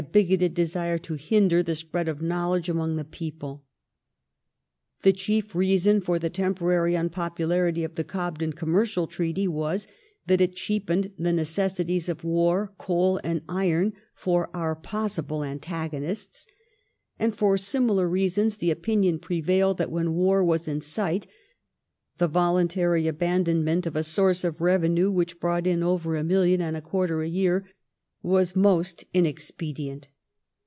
bigoted desire to hinder the spread of knowledge among the people. The chief reason for the temporary un«. popularity of the Gobden commercial treaty was that it cheapened the necessities of war, coal and iron, for our possible antagonists; and for similar reasons, the opinion prevailed that when war was in sight, the volun tary abandonment of a source of revenue which brought in over a million and a quarter a year was most inexpe dient.